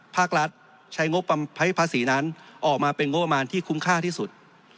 ภาครัฐใช้งบภาษีนั้นออกมาเป็นงบประมาณที่คุ้มค่าที่สุด